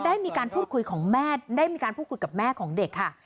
ได้มีการพูดคุยของแม่ได้มีการพูดคุยกับแม่ของเด็กค่ะ